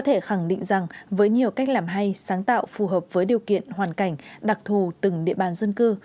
thể khẳng định rằng với nhiều cách làm hay sáng tạo phù hợp với điều kiện hoàn cảnh đặc thù từng địa bàn dân cư